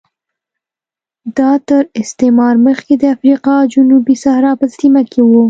دا تر استعمار مخکې د افریقا جنوبي صحرا په سیمه کې و